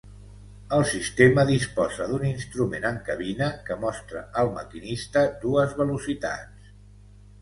El sistema disposa d'un instrument en cabina que mostra al maquinista dues velocitats.